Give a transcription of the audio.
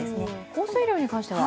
降水量に関しては？